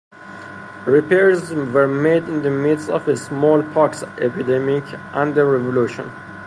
Repairs were made in the midst of a smallpox epidemic and a revolution.